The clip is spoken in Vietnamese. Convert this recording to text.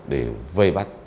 để vây bắt